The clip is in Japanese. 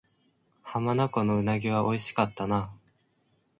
浜名湖の鰻は美味しかったな